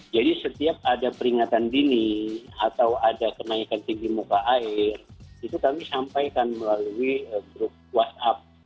jadi setiap ada peringatan dini atau ada kenaikan tinggi muka air itu kami sampaikan melalui grup whatsapp